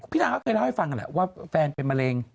พี่นางเค้าเคยเล่าให้ฟังว่าแฟนเป็นมะเร็ง